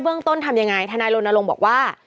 มาตั้งต้นทำยังไงธนายโรนโลงบอกว่า